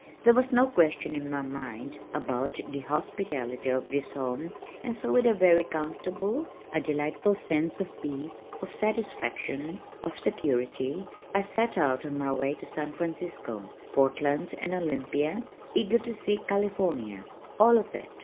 There was no question in my mind about the hospitality of this home and so with a very comfortable, a delightful sense of peace, of satisfaction, of security, I set out on my way to San Francisco, Portland and Olympia, eager to see California all of it.